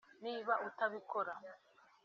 niba utabikora